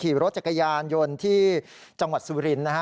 ขี่รถจักรยานยนต์ที่จังหวัดสุรินทร์นะฮะ